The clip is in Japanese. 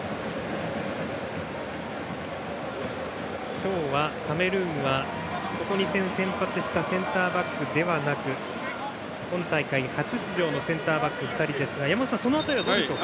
今日はカメルーンはここ２戦先発したセンターバックではなく今大会初出場のセンターバック２人ですが山本さん、その辺りはどうですか。